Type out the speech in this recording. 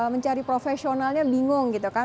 mencari profesionalnya bingung gitu kan